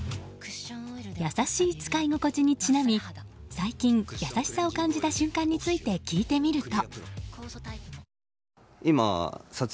優しい使い心地にちなみ最近、優しさを感じた瞬間について聞いてみると。